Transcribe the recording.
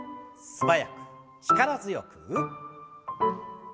素早く力強く。